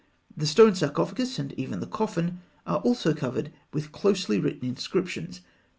The stone sarcophagus, and even the coffin, are also covered with closely written inscriptions.